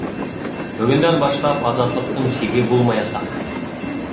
Бөгөндән башлап азатлыҡтың сиге булмаясаҡ.